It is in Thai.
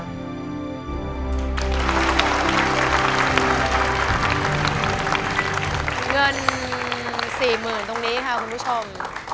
เงินสี่หมื่นตรงนี้ค่ะคุณผู้ชม